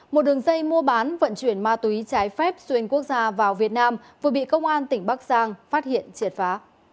một đường dây mua bán vận chuyển ma túy trái phép xuyên quốc gia vào việt nam vừa bị công an tỉnh bắc giang phát hiện triệt phá